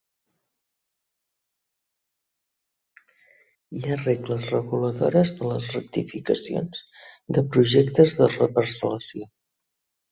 Hi ha regles reguladores de les rectificacions de projectes de reparcel·lació.